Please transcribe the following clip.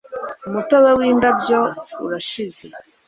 Umutobe windabyo urashize